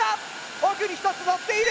奥に１つのっている。